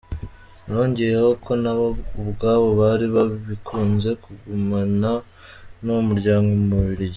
Yongeyeho ko na bo ubwabo bari babikunze kugumana n’uwo muryango mu Bubiligi.